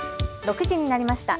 ６時になりました。